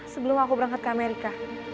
sebelum aku berangkat ke amerika